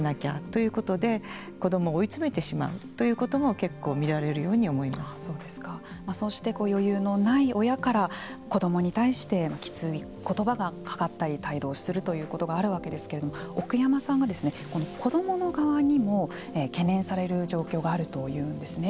それから勉強もよくさせなきゃということで子どもを追い詰めてしまうということもそうして余裕のない親から子どもに対してきつい言葉がかかったり態度をするということがあるわけですけれども奥山さんが、子どもの側にも懸念される状況があるというんですね。